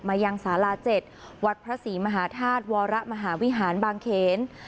ยังสารา๗วัดพระศรีมหาธาตุวรมหาวิหารบางเขน